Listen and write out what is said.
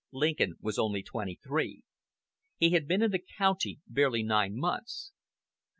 Lincoln was only twenty three. He had been in the county barely nine months.